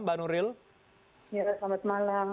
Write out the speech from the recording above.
mbak nuril ya selamat malam